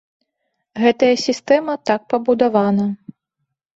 Гэтая сістэма так пабудавана.